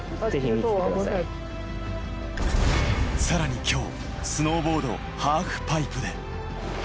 さらに今日、スノーボードハーフパイプで。